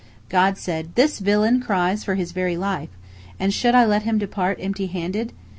God said, "This villain cries for his very life, and should I let him depart empty handed?"